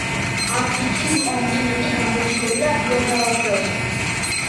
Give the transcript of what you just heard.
აფრიკის კონტინენტი გამორჩეულია ბიომრავალფეროვნებით